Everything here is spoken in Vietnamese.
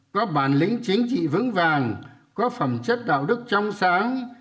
có bản lĩnh chính trị vững vàng có phẩm chất đạo đức trong sáng